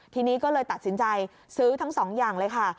ทีนี้ก็เลยตัดสินใจซื้อทั้งสองอย่างเลยค่ะ